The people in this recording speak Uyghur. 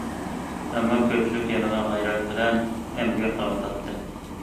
ئەمما كۆپچىلىك يەنىلا غەيرەت بىلەن ئەمگەك قىلىۋاتاتتى.